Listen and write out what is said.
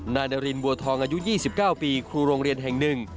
นายนารินบัวทองอายุ๒๙ปีครูโรงเรียนแห่งหนึ่ง